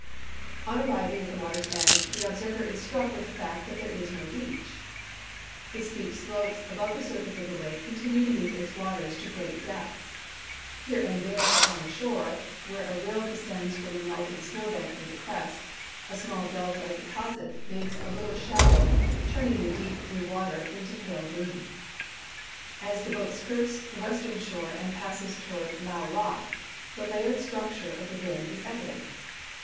On arriving at the water's edge, the observer is struck with the fact that there is no beach. The steep slopes above the surface of the lake continue beneath its waters to great depths. Here and tliere upon the shore, where a rill descends from a melting snowbank near the crest, a small delta deposit makes a little shallow, turning the deep blue water to pale green. .\s the boat skirts the western shore and passes toward Llao rock, tlie layered structure of tlie rim is evident.